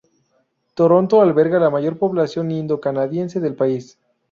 Toronto alberga la mayor población indo-canadiense del país.